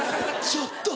「ちょっと！